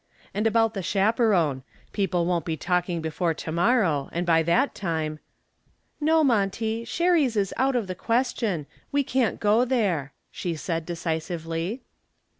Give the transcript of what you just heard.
And about the chaperon. People won't be talking before to morrow and by that time " "No, Monty, Sherry's is out of the question. We can't go there," she said, decisively.